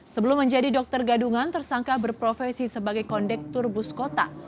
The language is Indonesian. sebelum menjadi dokter gadungan tersangka berprofesi sebagai kondektur buskota